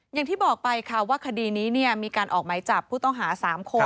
อย่างที่บอกไปค่ะว่าคดีนี้มีการออกไหมจับผู้ต้องหา๓คน